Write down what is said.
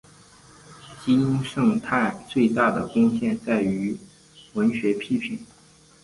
金圣叹最大贡献在于文学批评。